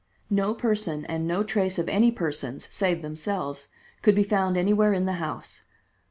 No person and no trace of any persons, save themselves, could be found anywhere in the house.